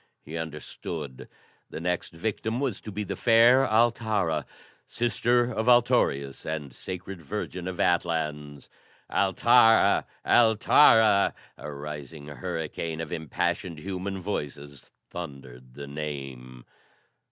He understood. The next victim was to be the fair Altara, sister of Altorius and Sacred Virgin of Atlans. "Altara! Altara!" A rising hurricane of impassioned human voices thundered the name.